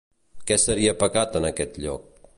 Què seria pecat en aquest lloc?